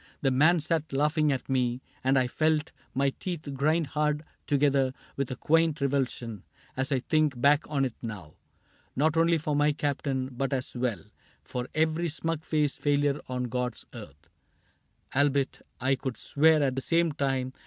The man sat laughing at me ; and I felt My teeth grind hard together with a quaint Revulsion — as I think back on it now — Not only for my Captain, but as well For every smug faced failure on God's earth — Albeit I could swear, at the same time.